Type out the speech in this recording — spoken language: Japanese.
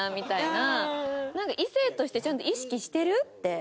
なんか異性としてちゃんと意識してる？って。